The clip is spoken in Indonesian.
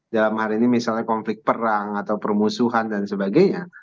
dalam hari ini misalnya konflik perang atau permusuhan dan sebagainya